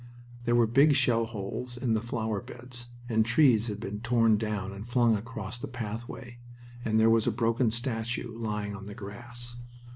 There were big shell holes in the flower beds, and trees had been torn down and flung across the pathway, and there was a broken statue lying on the grass.